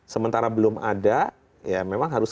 sementara belum ada ya memang harus